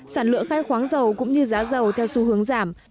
sản lượng khai khoáng giàu cũng như giá giàu theo xu hướng giảm